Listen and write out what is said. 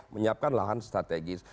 menyiapkan lahan strategis